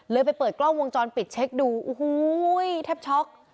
ไปเปิดกล้องวงจรปิดเช็คดูโอ้โหแทบช็อก